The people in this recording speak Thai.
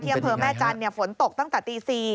เที่ยงเผลอแม่จันทร์ฝนตกตั้งแต่ตี๔